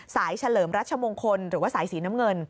เฉลิมรัชมงคลหรือว่าสายสีน้ำเงิน